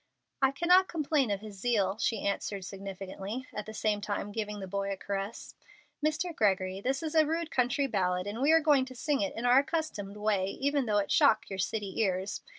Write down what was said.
"I cannot complain of his zeal," she answered significantly, at the same time giving the boy a caress. "Mr. Gregory, this is a rude country ballad, and we are going to sing it in our accustomed way, even though it shock your city ears.